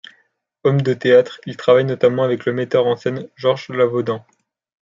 Homme de théâtre, il travaille notamment avec le metteur en scène Georges Lavaudant.